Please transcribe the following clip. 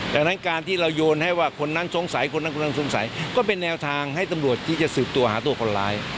ดังนั้นการที่เราโยนให้ว่าคนนั้นสงสัยคนนั้นคนนั้นสงสัยก็เป็นแนวทางให้ตำรวจที่จะสืบตัวหาตัวคนร้าย